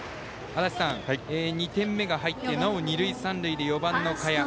足達さん、２点目が入ってなお二塁三塁で４番の賀谷。